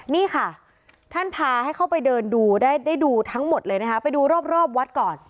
นี่ค่ะท่านพาให้เข้าไปเดินดูได้ดูทั้งหมดเลยนะคะไปดูรอบวัดก่อน